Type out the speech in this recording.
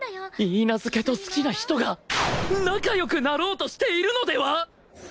許嫁と好きな人が仲良くなろうとしているのでは！？